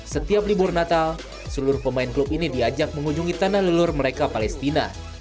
setiap libur natal seluruh pemain klub ini diajak mengunjungi tanah lelur mereka palestina